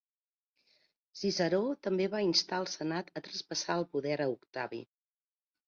Ciceró també va instar al senat a traspassar el poder a Octavi.